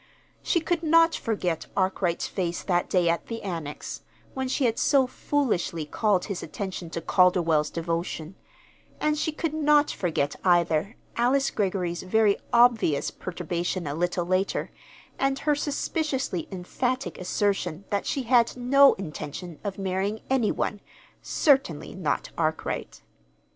She could not forget Arkwright's face that day at the Annex, when she had so foolishly called his attention to Calderwell's devotion; and she could not forget, either, Alice Greggory's very obvious perturbation a little later, and her suspiciously emphatic assertion that she had no intention of marrying any one, certainly not Arkwright.